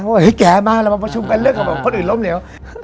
ว่าแกมาเรามาชุมกันเรื่องกับคนอื่นล้มเลว